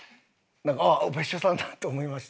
あっ別所さんだ！と思いました。